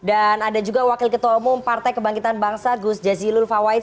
dan ada juga wakil ketua umum partai kebangkitan bangsa gus jazilul fawait